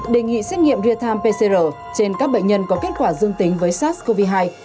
đề nghị xét nghiệm real time pcr trên các bệnh nhân có kết quả dương tính với sars cov hai